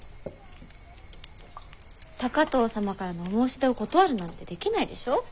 高藤様からのお申し出を断ることなんてできないでしょ？